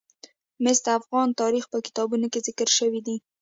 مس د افغان تاریخ په کتابونو کې ذکر شوی دي.